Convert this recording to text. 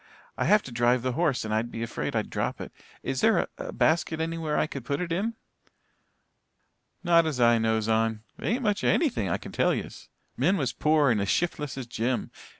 "I have to drive the horse and I'd be afraid I'd drop it. Is there a a basket anywhere that I could put it in?" "Not as I knows on. There ain't much here of anything, I kin tell yez. Min was pore and as shiftless as Jim.